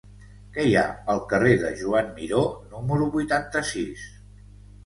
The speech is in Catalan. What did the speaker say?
Què hi ha al carrer de Joan Miró número vuitanta-sis?